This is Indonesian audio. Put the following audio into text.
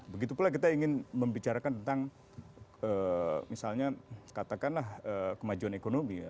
begitu pula kita ingin membicarakan tentang misalnya katakanlah kemajuan ekonomi ya